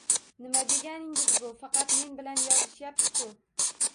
- Nima deganingiz bu, faqat men bilan yozishyapsiz-ku?!